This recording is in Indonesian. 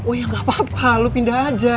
oh iya gak apa apa lu pindah aja